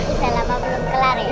bisa lama belum kelam